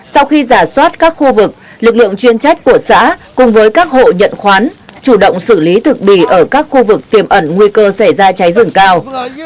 sau khi giả soát các khu vực lực lượng chuyên trách của xã cùng với các hộ nhận khoán chủ động xử lý thực bì ở các khu vực tiềm ẩn nguy cơ xảy ra cháy rừng cao